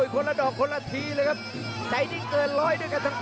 กระโดยสิ้งเล็กนี่ออกกันขาสันเหมือนกันครับ